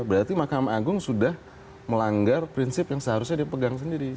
berarti mahkamah agung sudah melanggar prinsip yang seharusnya dipegang sendiri